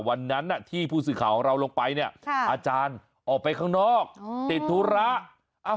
วันนั้นที่ผู้สื่อข่าวของเราลงไปเนี่ยอาจารย์ออกไปข้างนอกติดธุระ